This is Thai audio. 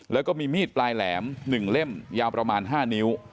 แล้วก็มีมีดปลายแหลม๑เล่มยาวประมาณ๕นิ้ว